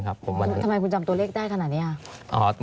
ทำไมคุณจำตัวเลขได้ขนาดนี้